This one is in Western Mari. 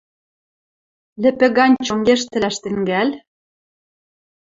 Лӹпӹ гань чонгештӹлӓш тӹнгӓл?